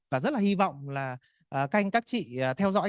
và rất là hy vọng là kênh các chị theo dõi